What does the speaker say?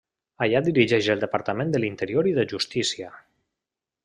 Allà dirigeix el departament de l'interior i de justícia.